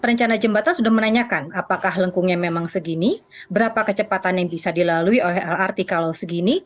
perencana jembatan sudah menanyakan apakah lengkungnya memang segini berapa kecepatan yang bisa dilalui oleh lrt kalau segini